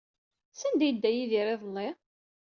Sanda ay yedda Yidir iḍelli?